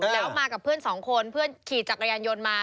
แล้วมากับเพื่อนสองคนเพื่อนขี่จักรยานยนต์มา